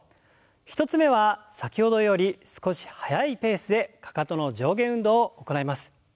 １つ目は先ほどより少し速いペースでかかとの上下運動を行います。